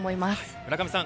村上さん